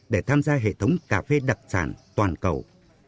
để tham gia hệ thống cà phê đặc sản toàn cầu